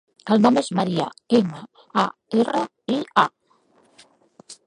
El nom és Maria: ema, a, erra, i, a.